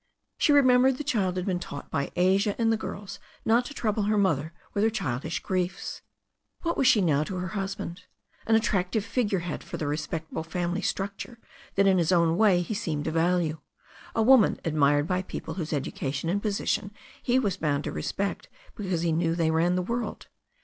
She remembered the child had been taught by Asia and the girls not to trouble her mother with her child ish griefs. What was she now to her husband — ^an attractive figure head for the respectable family structure that in his own way he seemed to value, a woman admired by people whose education and position he was bound to respect because he knew they ran the world?